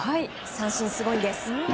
三振、すごいんです。